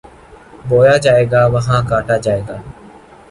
بویا جائے گا، وہاں کاٹا جائے گا۔